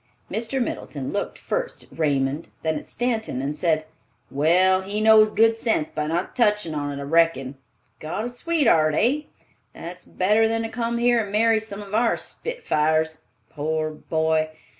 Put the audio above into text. Mr. Middleton looked first at Raymond, then at Stanton and said, "Well, he knows good sense by not touchin' on't, I reckon. Got a sweetheart, hey? That's better than to come here and marry some of our spitfires. Poor boy!